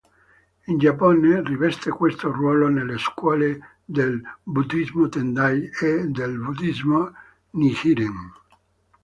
In Giappone, riveste questo ruolo nelle scuole del Buddhismo Tendai e del Buddhismo Nichiren.